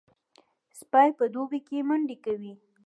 سپي په دوبي کې منډې کوي.